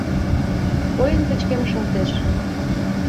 Койын пычкемышалтеш.